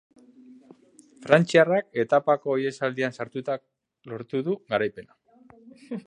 Frantziarrak etapako ihesaldian sartuta lortu du garaipena.